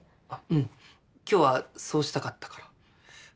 うん今日はそうしたかったから。